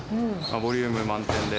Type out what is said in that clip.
ボリューム満点で。